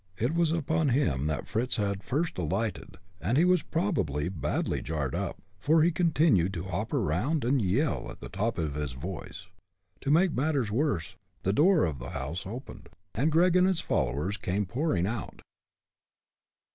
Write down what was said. It was upon him that Fritz had first alighted, and he was probably badly jarred up, for he continued to hop around and yell at the top of his voice. To make matters worse, the door of the house opened, and Gregg and his followers came pouring out.